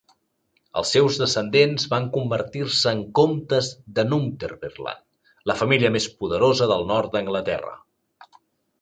Els seus descendents van convertir-se en comtes de Northumberland, la família més poderosa del nord d'Anglaterra.